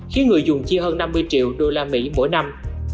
khiến người dùng chia hơn năm mươi triệu usd mỗi năm